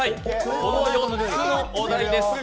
この４つのお題です。